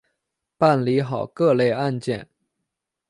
办理好各类案件